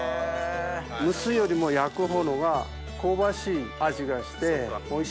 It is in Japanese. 蒸すよりも焼く方のが香ばしい味がしておいしい。